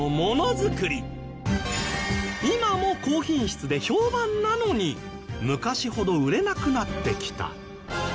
今も高品質で評判なのに昔ほど売れなくなってきた